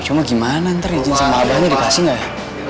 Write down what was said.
cuma gimana ntar izin sama abahnya dikasih gak ya